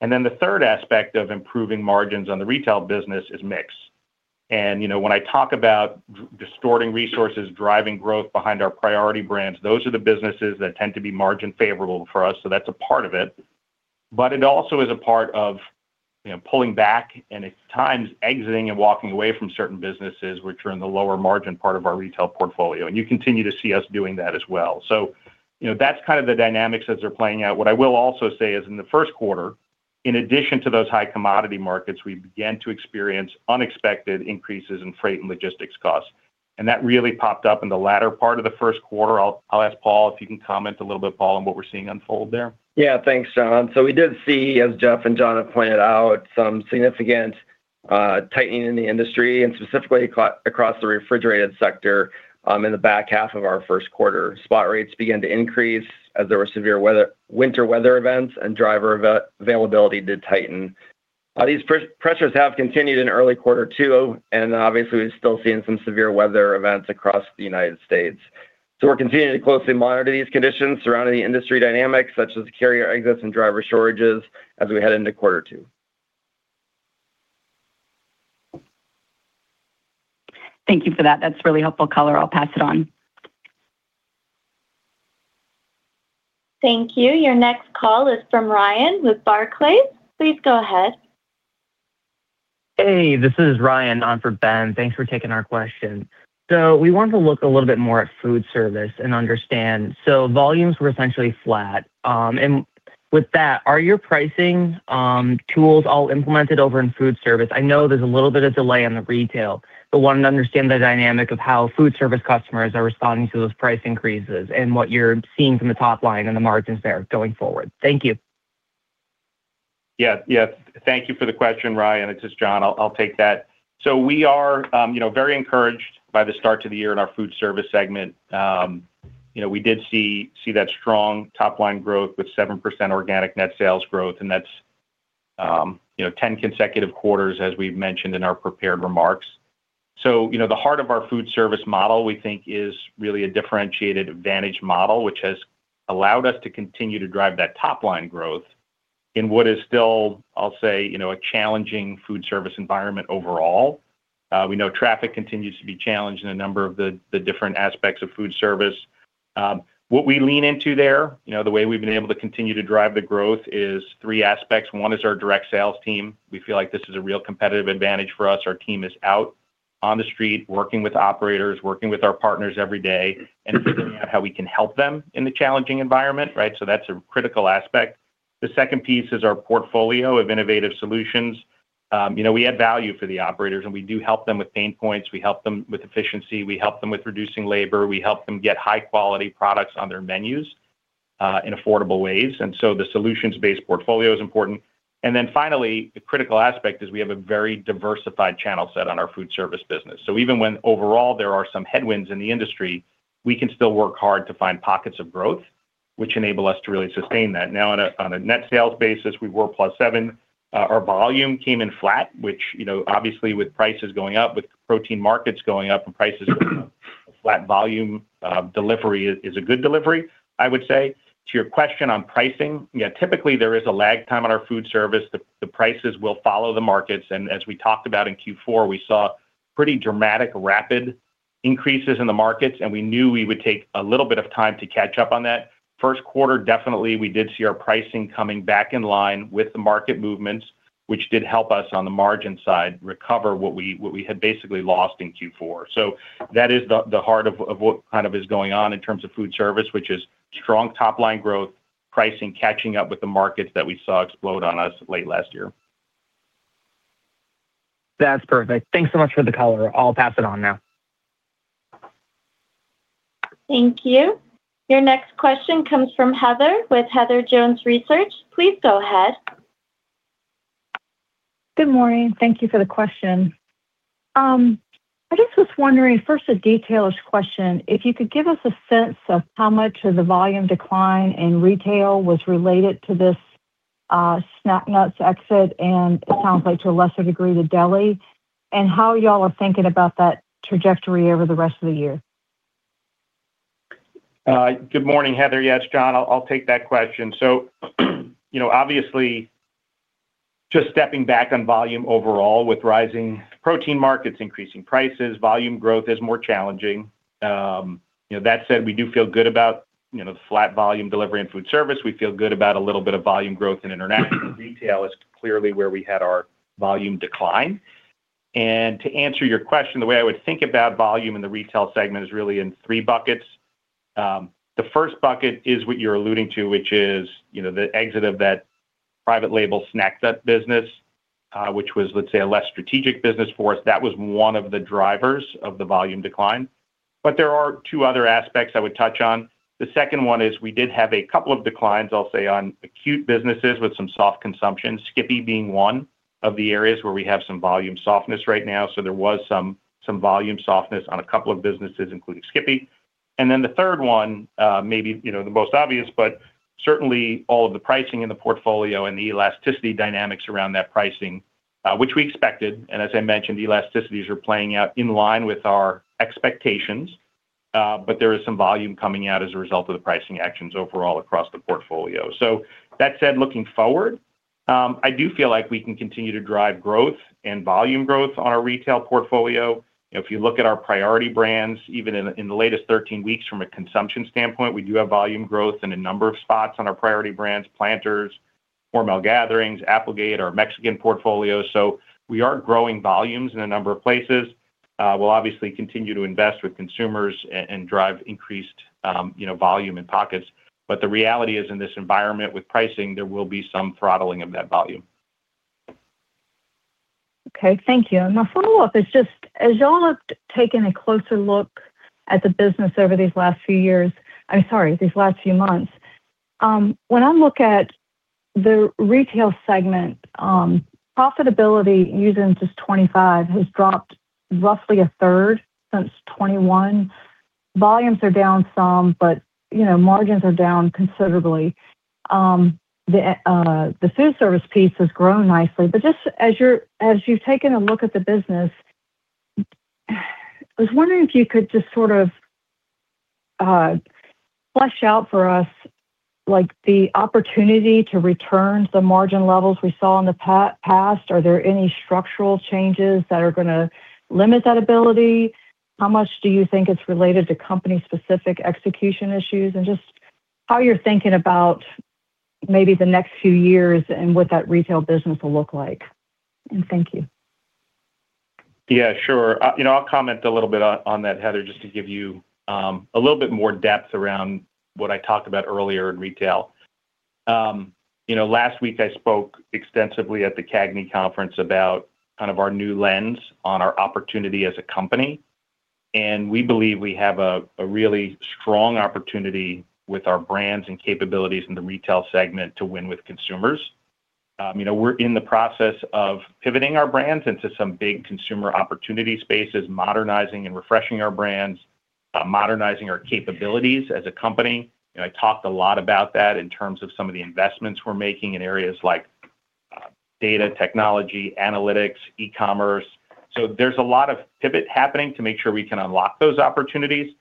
Speaker 4: Then the third aspect of improving margins on the retail business is mix. You know, when I talk about distorting resources, driving growth behind our priority brands, those are the businesses that tend to be margin favorable for us, so that's a part of it. It also is a part of, you know, pulling back and at times exiting and walking away from certain businesses which are in the lower margin part of our retail portfolio, and you continue to see us doing that as well. You know, that's kind of the dynamics as they're playing out. What I will also say is in the first quarter, in addition to those high commodity markets, we began to experience unexpected increases in freight and logistics costs, and that really popped up in the latter part of the first quarter. I'll ask Paul if he can comment a little bit, Paul, on what we're seeing unfold there.
Speaker 5: Yeah, thanks, John. We did see, as Jeff and John have pointed out, some significant tightening in the industry and specifically across the refrigerated sector in the back half of our first quarter. Spot rates began to increase as there were severe winter weather events, and driver availability did tighten. These pressures have continued in early quarter two, and obviously, we're still seeing some severe weather events across the United States. We're continuing to closely monitor these conditions surrounding the industry dynamics, such as carrier exits and driver shortages, as we head into quarter two.
Speaker 7: Thank you for that. That's really helpful color. I'll pass it on.
Speaker 1: Thank you. Your next call is from Ryan with Barclays. Please go ahead.
Speaker 8: Hey, this is Ryan on for Ben. Thanks for taking our question. We want to look a little bit more at food service and understand. Volumes were essentially flat. And with that, are your pricing tools all implemented over in food service? I know there's a little bit of delay on the retail, but wanted to understand the dynamic of how food service customers are responding to those price increases and what you're seeing from the top line and the margins there going forward. Thank you.
Speaker 4: Yeah. Thank you for the question, Ryan. It's John. I'll take that. We are, you know, very encouraged by the start to the year in our foodservice segment. You know, we did see that strong top-line growth with 7% organic net sales growth, and that's, you know, 10 consecutive quarters, as we've mentioned in our prepared remarks. You know, the heart of our foodservice model, we think, is really a differentiated advantage model, which has allowed us to continue to drive that top-line growth in what is still, I'll say, you know, a challenging foodservice environment overall. We know traffic continues to be challenged in a number of the different aspects of foodservice. What we lean into there, you know, the way we've been able to continue to drive the growth is 3 aspects. One is our direct sales team. We feel like this is a real competitive advantage for us. Our team is out on the street, working with operators, working with our partners every day, and figuring out how we can help them in the challenging environment, right? That's a critical aspect. The second piece is our portfolio of innovative solutions. You know, we add value for the operators, and we do help them with pain points, we help them with efficiency, we help them with reducing labor, we help them get high-quality products on their menus in affordable ways. The solutions-based portfolio is important. Finally, the critical aspect is we have a very diversified channel set on our foodservice business. Even when overall there are some headwinds in the industry, we can still work hard to find pockets of growth, which enable us to really sustain that. On a net sales basis, we were +7%. Our volume came in flat, which, you know, obviously with prices going up, with protein markets going up and prices going up, flat volume delivery is a good delivery, I would say. To your question on pricing, yeah, typically there is a lag time on our food service. Prices will follow the markets, as we talked about in Q4, we saw pretty dramatic rapid increases in the markets, and we knew we would take a little bit of time to catch up on that. First quarter, definitely we did see our pricing coming back in line with the market movements, which did help us on the margin side recover what we had basically lost in Q4. That is the heart of what kind of is going on in terms of foodservice, which is strong top-line growth, pricing catching up with the markets that we saw explode on us late last year.
Speaker 8: That's perfect. Thanks so much for the color. I'll pass it on now.
Speaker 1: Thank you. Your next question comes from Heather with Heather Jones Research. Please go ahead.
Speaker 9: Good morning. Thank you for the question. I just was wondering, first, a detailish question, if you could give us a sense of how much of the volume decline in retail was related to this, Snack Nuts exit, and it sounds like to a lesser degree, the deli, and how y'all are thinking about that trajectory over the rest of the year?
Speaker 4: Good morning, Heather. Yes, John, I'll take that question. You know, obviously, just stepping back on volume overall with rising protein markets, increasing prices, volume growth is more challenging. You know, that said, we do feel good about, you know, the flat volume delivery and food service. We feel good about a little bit of volume growth in international. Retail is clearly where we had our volume decline. To answer your question, the way I would think about volume in the retail segment is really in three buckets. The first bucket is what you're alluding to, which is, you know, the exit of that private label Snack Nut business, which was, let's say, a less strategic business for us. That was one of the drivers of the volume decline. There are two other aspects I would touch on. The second one is we did have a couple of declines, I'll say, on acute businesses with some soft consumption, SKIPPY being one of the areas where we have some volume softness right now. There was some volume softness on a couple of businesses, including SKIPPY. Then the third one, maybe, you know, the most obvious, but certainly all of the pricing in the portfolio and the elasticity dynamics around that pricing, which we expected. As I mentioned, the elasticities are playing out in line with our expectations, but there is some volume coming out as a result of the pricing actions overall across the portfolio. That said, looking forward, I do feel like we can continue to drive growth and volume growth on our retail portfolio. If you look at our priority brands, even in the latest 13 weeks from a consumption standpoint, we do have volume growth in a number of spots on our priority brands, Planters, Hormel GATHERINGS, Applegate, our Mexican portfolio. We are growing volumes in a number of places. We'll obviously continue to invest with consumers and drive increased, you know, volume in pockets. The reality is, in this environment with pricing, there will be some throttling of that volume.
Speaker 9: Okay, thank you. My follow-up is just, as you all have taken a closer look at the business over these last few years, I'm sorry, these last few months, when I look at the Retail segment, profitability using just 2025 has dropped roughly a third since 2021. Volumes are down some, you know, margins are down considerably. The Foodservice piece has grown nicely, just as you've taken a look at the business, I was wondering if you could just sort of flesh out for us, like, the opportunity to return to the margin levels we saw in the past. Are there any structural changes that are going to limit that ability? How much do you think it's related to company-specific execution issues, just how you're thinking about maybe the next few years and what that retail business will look like? Thank you.
Speaker 4: Yeah, sure. You know, I'll comment a little bit on that, Heather, just to give you a little bit more depth around what I talked about earlier in Retail. You know, last week, I spoke extensively at the CAGNY conference about kind of our new lens on our opportunity as a company, and we believe we have a really strong opportunity with our brands and capabilities in the retail segment to win with consumers. You know, we're in the process of pivoting our brands into some big consumer opportunity spaces, modernizing and refreshing our brands, modernizing our capabilities as a company. I talked a lot about that in terms of some of the investments we're making in areas like data technology, analytics, e-commerce. There's a lot of pivot happening to make sure we can unlock those opportunities.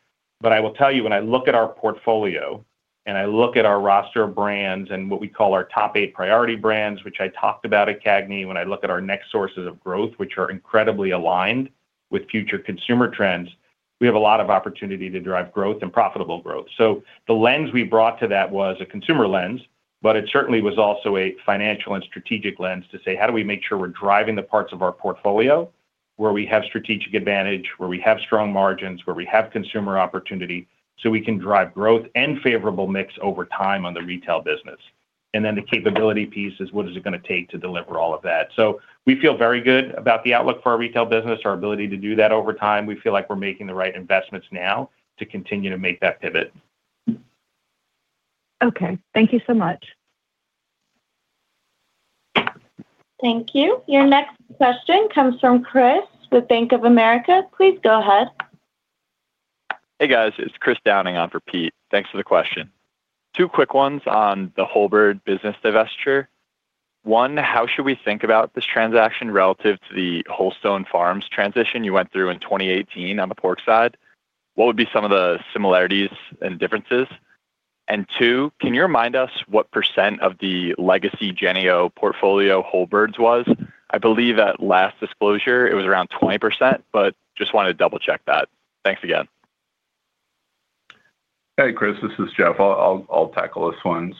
Speaker 4: I will tell you, when I look at our portfolio, and I look at our roster of brands and what we call our top eight priority brands, which I talked about at CAGNY, when I look at our next sources of growth, which are incredibly aligned with future consumer trends, we have a lot of opportunity to drive growth and profitable growth. The lens we brought to that was a consumer lens, but it certainly was also a financial and strategic lens to say, how do we make sure we're driving the parts of our portfolio where we have strategic advantage, where we have strong margins, where we have consumer opportunity, so we can drive growth and favorable mix over time on the retail business? Then the capability piece is, what is it going to take to deliver all of that? We feel very good about the outlook for our retail business, our ability to do that over time. We feel like we're making the right investments now to continue to make that pivot.
Speaker 9: Okay, thank you so much.
Speaker 1: Thank you. Your next question comes from Chris with Bank of America. Please go ahead.
Speaker 10: Hey, guys, it's Chris Downing on for Peter. Thanks for the question. Two quick ones on the whole bird business divestiture. One, how should we think about this transaction relative to the Wholestone Farms transition you went through in 2018 on the pork side? What would be some of the similarities and differences? Two, can you remind us what percent of the legacy Jennie-O portfolio whole birds was? I believe at last disclosure, it was around 20%, but just wanted to double-check that. Thanks again.
Speaker 3: Hey, Chris, this is Jeff. I'll tackle this one.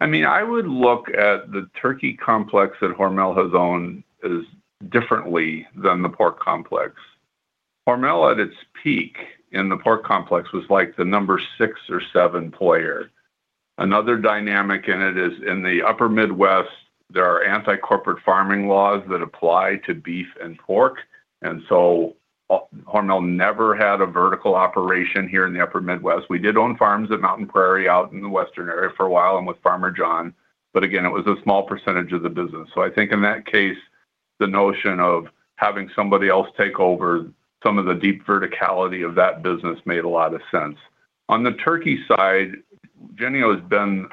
Speaker 3: I mean, I would look at the turkey complex that Hormel has owned as differently than the pork complex. Hormel, at its peak in the pork complex, was like the number 6 or 7 player. Another dynamic in it is in the Upper Midwest, there are anti-corporate farming laws that apply to beef and pork, and so Hormel never had a vertical operation here in the Upper Midwest. We did own farms at Mountain Prairie out in the western area for a while and with Farmer John, but again, it was a small percentage of the business. I think in that case, the notion of having somebody else take over some of the deep verticality of that business made a lot of sense. On the turkey side, Jennie-O has been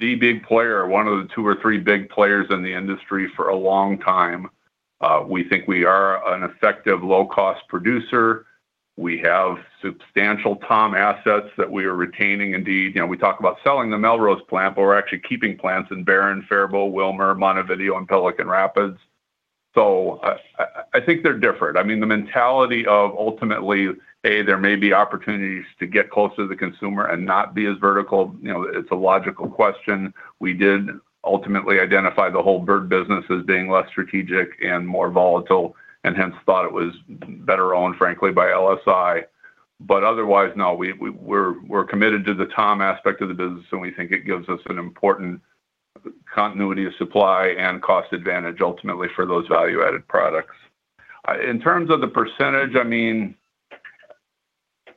Speaker 3: the big player, one of the 2 or 3 big players in the industry for a long time. We think we are an effective low-cost producer. We have substantial tom assets that we are retaining. You know, we talk about selling the Melrose plant, we're actually keeping plants in Barron, Faribault, Willmar, Montevideo, and Pelican Rapids. I think they're different. I mean, the mentality of ultimately, there may be opportunities to get closer to the consumer and not be as vertical, you know, it's a logical question. We did ultimately identify the whole bird business as being less strategic and more volatile, hence thought it was better owned, frankly, by LSI. Otherwise, no, we're committed to the tom aspect of the business, and we think it gives us an important- continuity of supply and cost advantage ultimately for those value-added products. In terms of the percentage, I mean,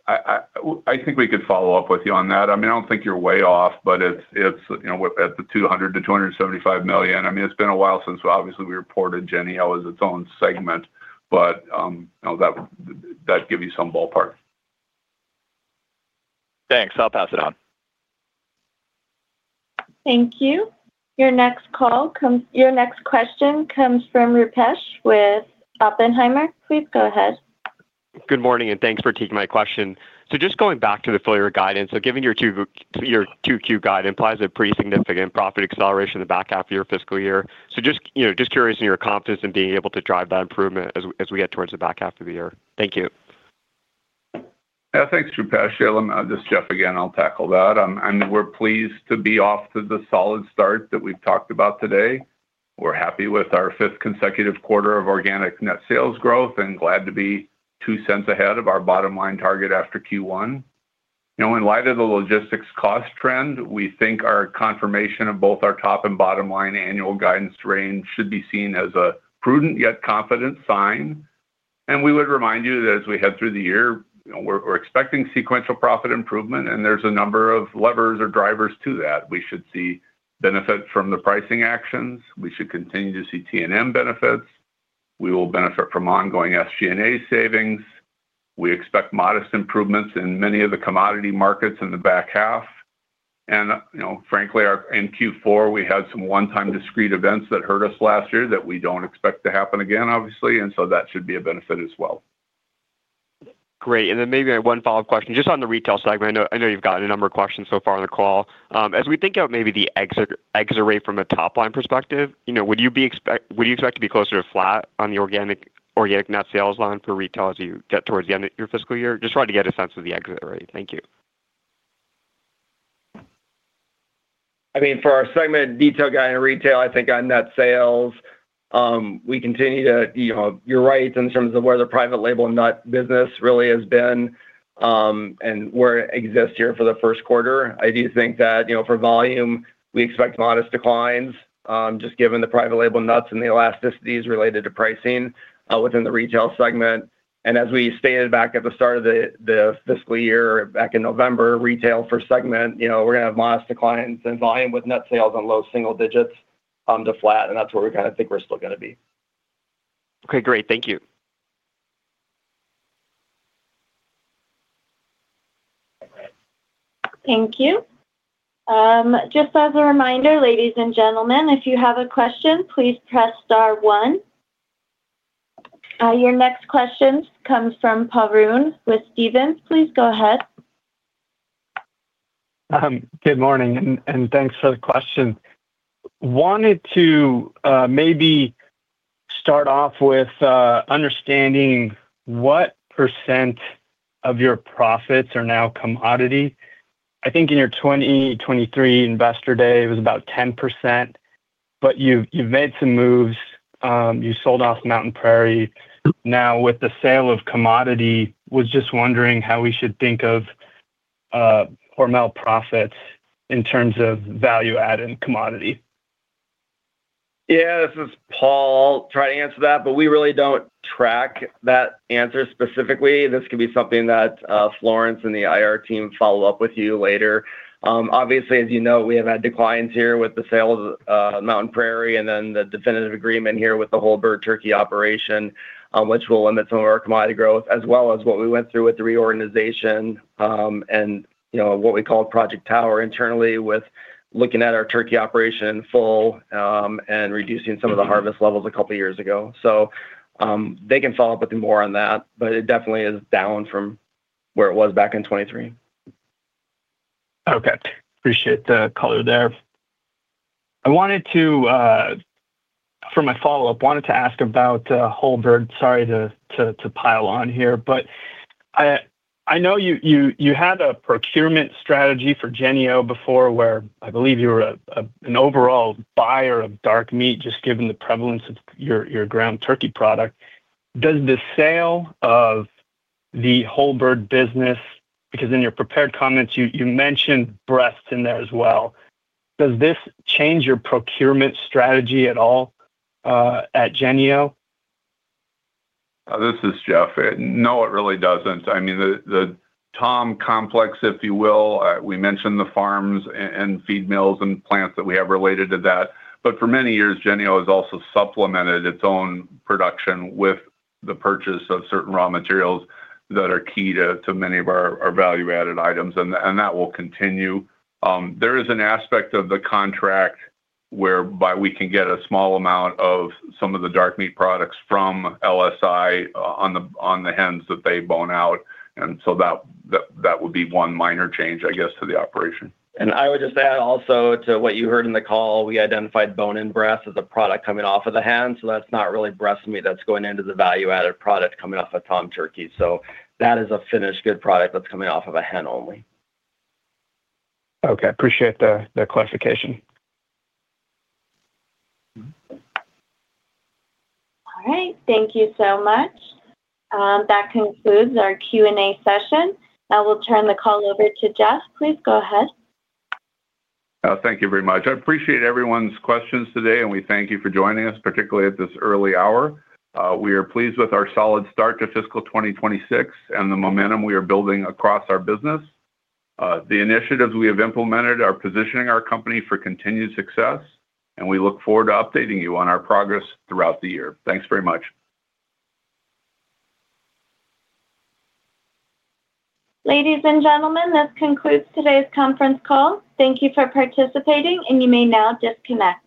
Speaker 3: I think we could follow up with you on that. I mean, I don't think you're way off, but it's, you know, at the $200 million-$275 million. I mean, it's been a while since, obviously, we reported Jennie-O as its own segment, but, you know, that give you some ballpark. Thanks. I'll pass it on.
Speaker 1: Thank you. Your next question comes from Rupesh with Oppenheimer. Please go ahead.
Speaker 11: Good morning. Thanks for taking my question. Just going back to the full year guidance. Giving your Q2, your Q2 guide implies a pretty significant profit acceleration in the back half of your fiscal year. Just, you know, just curious in your confidence in being able to drive that improvement as we get towards the back half of the year. Thank you.
Speaker 3: Yeah, thanks, Rupesh. Yeah, look, this is Jeff again, I'll tackle that. We're pleased to be off to the solid start that we've talked about today. We're happy with our 5th consecutive quarter of organic net sales growth and glad to be $0.02 ahead of our bottom line target after Q1. Now, in light of the logistics cost trend, we think our confirmation of both our top and bottom line annual guidance range should be seen as a prudent yet confident sign. We would remind you that as we head through the year, we're expecting sequential profit improvement, and there's a number of levers or drivers to that. We should see benefit from the pricing actions. We should continue to see T&M benefits. We will benefit from ongoing SG&A savings. We expect modest improvements in many of the commodity markets in the back half. You know, frankly, in Q4, we had some one-time discrete events that hurt us last year that we don't expect to happen again, obviously, and so that should be a benefit as well.
Speaker 11: Great. Maybe I have one follow-up question, just on the retail segment. I know you've gotten a number of questions so far on the call. As we think about maybe the exit rate from a top-line perspective, you know, would you expect to be closer to flat on the organic net sales line for retail as you get towards the end of your fiscal year? Just trying to get a sense of the exit rate. Thank you.
Speaker 5: I mean, for our segment, detail guy in retail, I think on net sales, we continue to, you know. You're right in terms of where the private label nut business really has been, and where it exists here for the first quarter. I do think that, you know, for volume, we expect modest declines, just given the private label nuts and the elasticities related to pricing, within the retail segment. As we stated back at the start of the fiscal year, back in November, retail for segment, you know, we're going to have modest declines in volume with net sales on low single digits, to flat, and that's where we kinda think we're still gonna be.
Speaker 11: Okay, great. Thank you.
Speaker 1: Thank you. Just as a reminder, ladies and gentlemen, if you have a question, please press star one. Your next question comes from Pooran with Stephens. Please go ahead.
Speaker 12: Good morning, and thanks for the question. Wanted to maybe start off with understanding what percent of your profits are now commodity. I think in your 2023 Investor Day, it was about 10%, you've made some moves. You sold off Mountain Prairie. Now, with the sale of commodity, was just wondering how we should think of Hormel profits in terms of value add and commodity.
Speaker 5: This is Paul. Try to answer that, but we really don't track that answer specifically. This could be something that Florence and the IR team follow up with you later. Obviously, as you know, we have had declines here with the sales of Mountain Prairie Farms and then the definitive agreement here with the whole bird turkey operation, which will limit some of our commodity growth, as well as what we went through with the reorganization, and, you know, what we call Project Tower internally with looking at our turkey operation full, and reducing some of the harvest levels a couple of years ago. They can follow up with you more on that, but it definitely is down from where it was back in 2023.
Speaker 12: Okay. Appreciate the color there. I wanted, for my follow-up, wanted to ask about whole bird. Sorry to pile on here, but I know you had a procurement strategy for Jennie-O before, where I believe you were an overall buyer of dark meat, just given the prevalence of your ground turkey product. Does the sale of the whole bird business? In your prepared comments, you mentioned breasts in there as well. Does this change your procurement strategy at all at Jennie-O?
Speaker 3: This is Jeff. No, it really doesn't. I mean, the tom complex, if you will, we mentioned the farms and feed mills and plants that we have related to that. For many years, Jennie-O has also supplemented its own production with the purchase of certain raw materials that are key to many of our value-added items, and that will continue. There is an aspect of the contract whereby we can get a small amount of some of the dark meat products from LSI on the hens that they bone out, that would be one minor change, I guess, to the operation.
Speaker 5: I would just add also to what you heard in the call, we identified bone-in breast as a product coming off of the hen, so that's not really breast meat, that's going into the value-added product coming off of tom turkey. That is a finished good product that's coming off of a hen only.
Speaker 12: Okay, appreciate the clarification.
Speaker 1: All right. Thank you so much. That concludes our Q&A session. I will turn the call over to Jeff. Please go ahead.
Speaker 3: Thank you very much. I appreciate everyone's questions today, and we thank you for joining us, particularly at this early hour. We are pleased with our solid start to fiscal 2026 and the momentum we are building across our business. The initiatives we have implemented are positioning our company for continued success, and we look forward to updating you on our progress throughout the year. Thanks very much.
Speaker 1: Ladies and gentlemen, this concludes today's conference call. Thank you for participating, you may now disconnect.